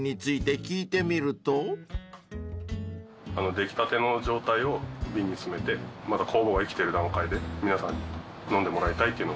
出来たての状態を瓶に詰めてまだ酵母が生きてる段階で皆さんに飲んでもらいたいっていうのが最初の。